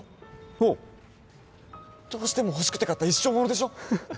おうどうしても欲しくて買った一生ものでしょ？